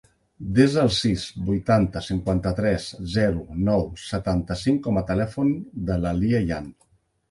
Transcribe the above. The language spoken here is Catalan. Desa el sis, vuitanta, cinquanta-tres, zero, nou, setanta-cinc com a telèfon de la Lia Yan.